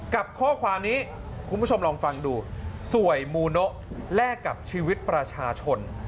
กับข้อความนี้คุณผู้ชมลองฟังดูสวยมูโนะแลกกับชีวิตประชาชน